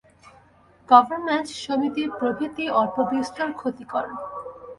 Government, সমিতি প্রভৃতি অল্পবিস্তর ক্ষতিকর।